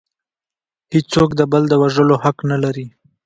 هیڅوک د بل د وژلو حق نلري